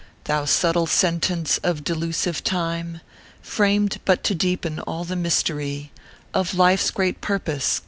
. Thou subtle sentence of delusive Time, Framed but to deepen all the mystery Of Life s great purpose